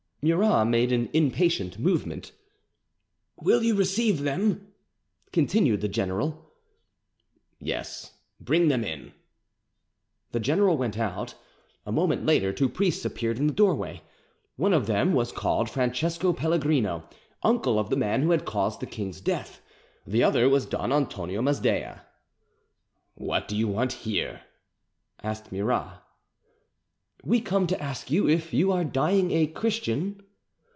Murat made an impatient movement. "Will you receive them?" continued the general. "Yes; bring them in." The general went out. A moment later, two priests appeared in the doorway. One of them was called Francesco Pellegrino, uncle of the man who had caused the king's death; the other was Don Antonio Masdea. "What do you want here?" asked Murat. "We come to ask you if you are dying a Christian?"